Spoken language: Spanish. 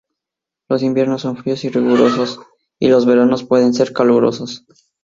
Los inviernos son fríos y rigurosos, y los veranos pueden ser calurosos.